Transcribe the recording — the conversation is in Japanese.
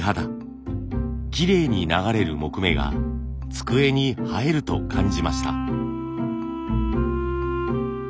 きれいに流れる木目が机に映えると感じました。